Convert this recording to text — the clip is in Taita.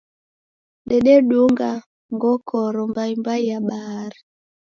Dededunga ngokoro mbai mbai ya bahari